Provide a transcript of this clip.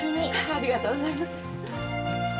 ありがとうございます。